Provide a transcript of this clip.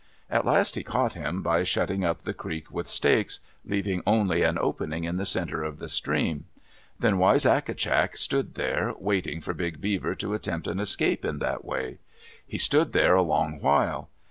At last he caught him by shutting up the creek with stakes, leaving only an opening in the center of the stream. Then Wisagatcak stood there, waiting for Big Beaver to attempt an escape in that way. He stood there a long while.